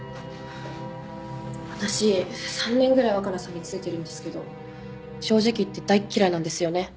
私３年ぐらい若菜さんに付いてるんですけど正直言って大っ嫌いなんですよね。